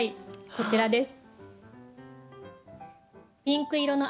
こちらです。